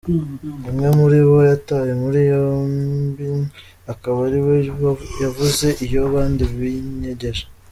Umwe muri bo yatawe muri yompi akaba ari we yavuze iyo abandi binyegeje.